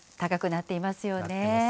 なってますよね。